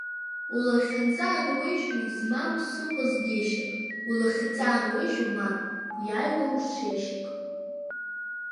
Улахьынҵа ануеижьо, измам ԥсыхәа знеишьак, улахьынҵа ануеижьо, мап иаиуам рҽеишьак.